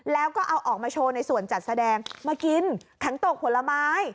แล้วก็เอาออกมาโชว์ในส่วนจัดแสดงมากินขังตกผลไม้